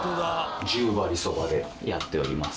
十割そばでやっております。